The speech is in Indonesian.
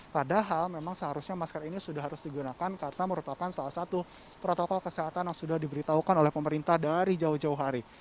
padahal memang seharusnya masker ini sudah harus digunakan karena merupakan salah satu protokol kesehatan yang sudah diberitahukan oleh pemerintah dari jauh jauh hari